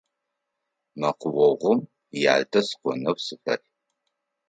Мэкъуогъум Ялтэ сыкӏонэу сыфай.